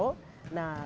nah tantangan kami yaitu